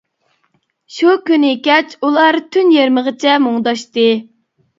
شۇ كۈنى كەچ ئۇلار تۈن يېرىمىغىچە مۇڭداشتى.